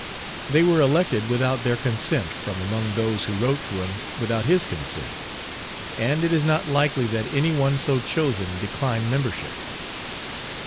They were elected without their consent from among those who wrote to him without his consent, and it is not likely that any one so chosen declined membership.